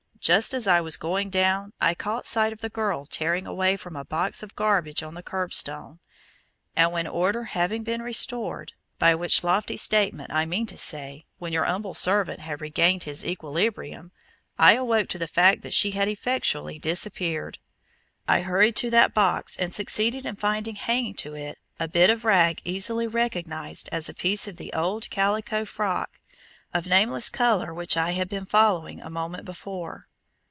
Just as I was going down, I caught sight of the girl tearing away from a box of garbage on the curb stone; and when order having been restored, by which lofty statement I mean to say when your humble servant had regained his equilibrium, I awoke to the fact that she had effectually disappeared, I hurried to that box and succeeded in finding hanging to it a bit of rag easily recognized as a piece of the old calico frock of nameless color which I had been following a moment before.